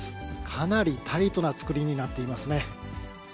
かなりタイトな造りになっていますね。